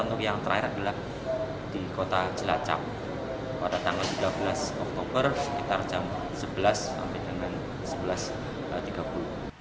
untuk yang terakhir adalah di kota cilacap pada tanggal tiga belas oktober sekitar jam sebelas sampai dengan sebelas tiga puluh